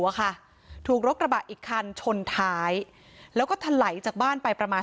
อะค่ะถูกรถกระบะอีกคันชนท้ายแล้วก็ถลายจากบ้านไปประมาณ